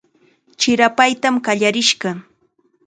Chirapaytam qallarishqa.